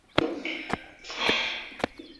大邱红螯蛛为管巢蛛科红螯蛛属的动物。